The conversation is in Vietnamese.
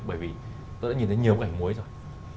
bởi vì tôi đã nhìn thấy nhiều bức ảnh mối rồi